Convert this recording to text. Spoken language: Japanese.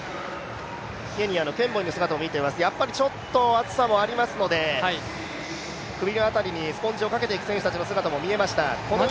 ケニアのケンボイの姿も見ています、やっぱり暑さもあるので首の辺りにスポンジをかけていく選手の姿もありました。